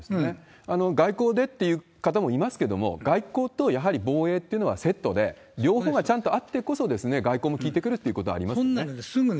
外交でっていう方もいますけれども、外交と、やはり防衛ってのはセットで、両方がちゃんとあってこそ、外交も効いてくるってことはありますよね。